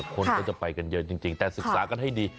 คนก็จะไปกันเยอะจริงแต่ศึกษากันให้ดี